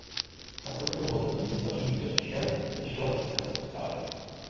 Naproti tomu ostatní města římské říše se těšila městské samosprávě.